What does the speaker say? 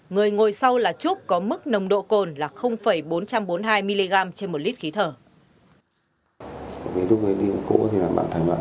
người ngồi sau là trúc có mức nồng độ cồn là bốn trăm bốn mươi hai mg trên một lít khí thở